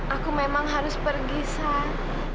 aku memang harus pergi sah